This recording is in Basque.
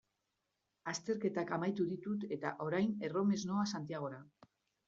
Azterketak amaitu ditut eta orain erromes noa Santiagora.